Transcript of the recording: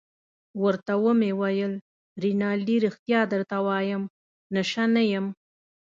ورته ومې ویل: رینالډي ريښتیا درته وایم، نشه نه یم.